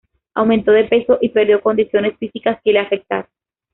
Aumentó de peso y perdió condiciones físicas que le afectaron.